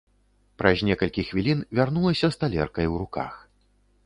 Праз некалькі хвілін вярнулася з талеркай у руках.